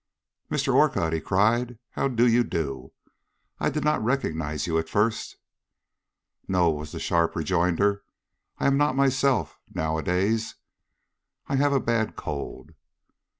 "Mr. Orcutt!" he cried, "how do you do? I did not recognize you at first." "No?" was the sharp rejoinder. "I'm not myself nowadays. I have a bad cold."